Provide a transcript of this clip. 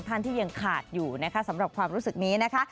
ท่านที่ยังขาดอยู่นะคะสำหรับความรู้สึกนี้นะคะ